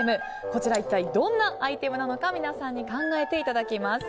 こちら一体どんなアイテムなのか皆さんに考えていただきます。